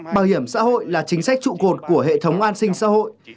bảo hiểm xã hội là chính sách trụ cột của hệ thống an sinh xã hội